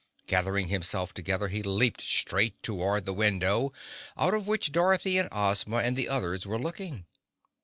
Gathering himself together he leaped straight toward the window out of which Dorothy and Ozma and the others were looking.